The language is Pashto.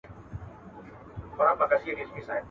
او چي غټ سي په ټولۍ کي د سیالانو.